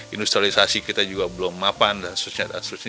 industrialisasi kita juga belum mapan dan seterusnya